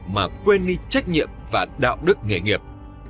mà quên đi trách nhiệm và đạo đức nghề nghiệp